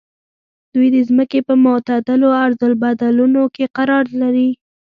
دوی د ځمکې په معتدلو عرض البلدونو کې قرار لري.